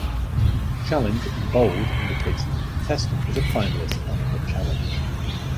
Challenge in bold indicates that the contestant was a finalist on The Challenge.